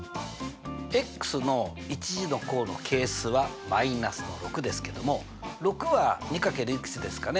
の１次の項の係数は−６ですけども６は２かけるいくつですかね？